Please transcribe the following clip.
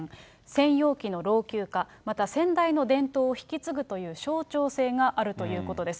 専用機の老朽化、また先代の伝統を引き継ぐという象徴性があるということです。